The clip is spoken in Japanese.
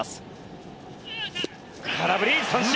空振り三振！